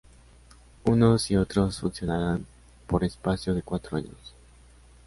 Unos y otros funcionarán por espacio de cuatro años.